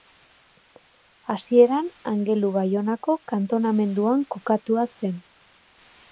Hasieran Angelu Baionako kantonamenduan kokatua zen.